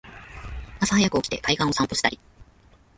朝はやく起きて海岸を散歩したり